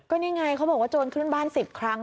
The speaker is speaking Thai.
นี่ไงเขาบอกว่าโจรขึ้นบ้าน๑๐ครั้ง